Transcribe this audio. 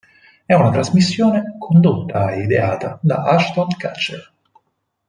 È una trasmissione condotta e ideata da Ashton Kutcher.